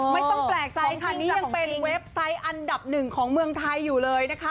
ไม่ต้องแปลกใจค่ะนี่ยังเป็นเว็บไซต์อันดับหนึ่งของเมืองไทยอยู่เลยนะคะ